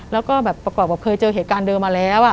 แล้วก็แบบประกอบกับเคยเจอเหตุการณ์เดิมมาแล้ว